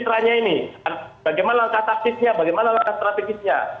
nah ini bagaimana langkah taktisnya bagaimana langkah strategisnya